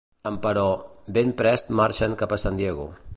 Emperò, ben prest marxaren cap a San Diego.